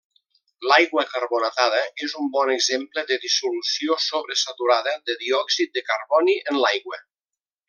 L'aigua carbonatada és un bon exemple de dissolució sobresaturada de diòxid de carboni en l'aigua.